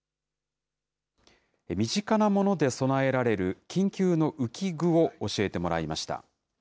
身近なもので備えられる緊急の浮き具を教えてもらいました。